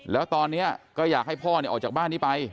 แล้วตอนนี้ก็อยากให้พ่อออกจากบ้านนี้ไป